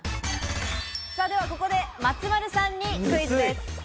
ではここで松丸さんにクイズです。